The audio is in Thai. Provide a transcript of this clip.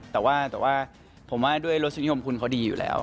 แต่ว่าผมว่าด้วยรสนิยมคุณเขาดีอยู่แล้ว